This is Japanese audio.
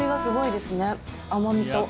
甘みと。